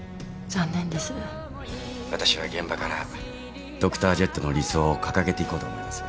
私は現場からドクタージェットの理想を掲げていこうと思います。